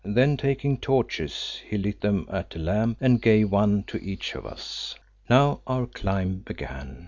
Then taking torches, he lit them at a lamp and gave one to each of us. Now our climb began.